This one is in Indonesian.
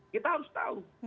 kita harus tahu